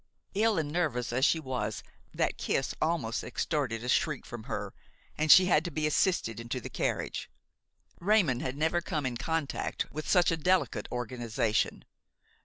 Ill and nervous as she was, that kiss almost extorted a shriek from her, and she had to be assisted into the carriage. Raymon had never come in contact with such a delicate organization.